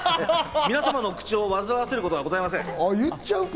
皆様の口を煩わせることはございません。